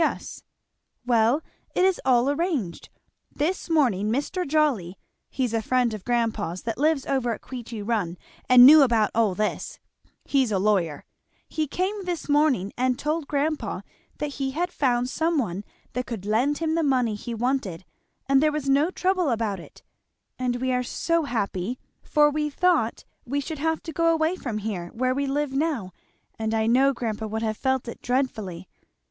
"Yes." "Well it is all arranged; this morning Mr. Jolly he's a friend of grandpa's that lives over at Queechy Run and knew about all this he's a lawyer he came this morning and told grandpa that he had found some one that could lend him the money he wanted and there was no trouble about it; and we are so happy, for we thought we should have to go away from where we live now, and I know grandpa would have felt it dreadfully.